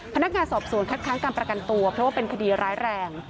พนักงานสอบสวนคัดค้างการประกันตัวเพราะว่าเป็นคดีร้ายแรง